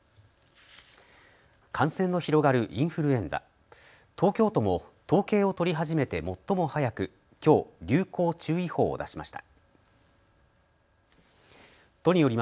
感染の広がるインフルエンザ、東京都も統計を取り始めて最も早くきょう、流行注意報を出しました。